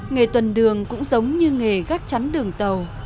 nghề tuần đường cũng giống như nghề gác chắn đường tàu